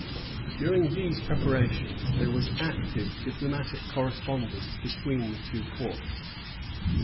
During these preparations there was active diplomatic correspondence between the two Courts.